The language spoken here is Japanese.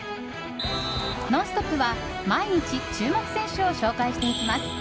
「ノンストップ！」は毎日注目選手を紹介していきます。